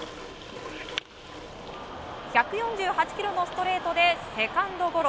１４８キロのストレートでセカンドゴロ。